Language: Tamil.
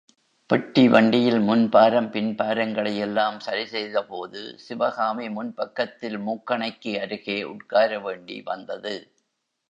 பெட்டி வண்டியில் முன் பாரம், பின் பாரங்களையெல்லாம் சரி செய்தபோது, சிவகாமி முன்பக்கத்தில் மூக்கணைக்கு அருகே உட்காரவேண்டி வந்தது.